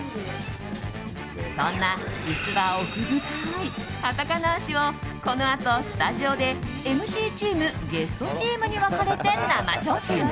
そんな実は奥深いカタカナーシをこのあとスタジオでＭＣチームゲストチームに分かれて生挑戦！